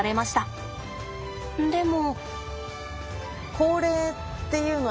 でも。